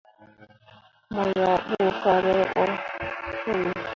Mo yah ɓu ferɓo puli.